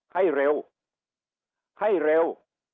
ให้เร็วให้เร็ว